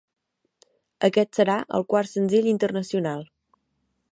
Aquest serà el quart senzill internacional.